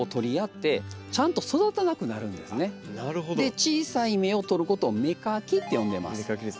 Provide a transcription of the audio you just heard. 小さい芽を取ることを「芽かき」って呼んでます。